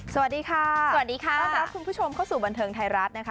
สวัสดีค่ะสวัสดีค่ะต้อนรับคุณผู้ชมเข้าสู่บันเทิงไทยรัฐนะคะ